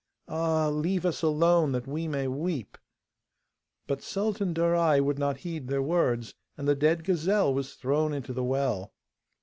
Ah! leave us alone that we may weep.' But Sultan Darai would not heed their words, and the dead gazelle was thrown into the well.